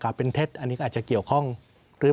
สามอย่างที่ผมพูดไปจะพูดไม่จบหนึ่งก็คือ